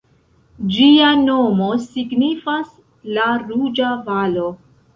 Ĝia nomo signifas "La Ruĝa Valo".